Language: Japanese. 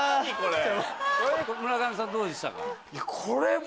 これ。